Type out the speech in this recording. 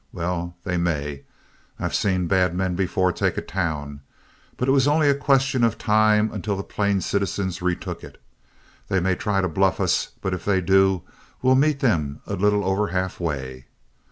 Well, they may; I've seen bad men before take a town, but it was only a question of time until the plain citizens retook it. They may try to bluff us, but if they do, we'll meet them a little over halfway.